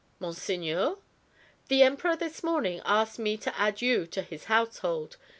"Monseigneur?" "The Emperor this morning asked me to add you to his household.